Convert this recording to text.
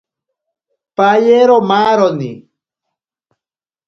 Payero maaroni.